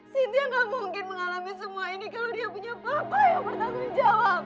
sintia gak mungkin mengalami semua ini kalau dia punya bapak yang bertanggung jawab